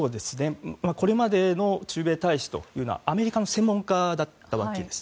これまでの駐米大使というのはアメリカの専門家だったわけです。